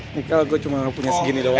ini aikal gue cuma punya segini doang